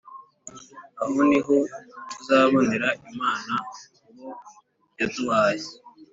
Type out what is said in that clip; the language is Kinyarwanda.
aho niho tuzabonera imana mu bo yaduhaye